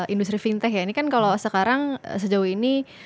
industri fintech ya ini kan kalau sekarang sejauh ini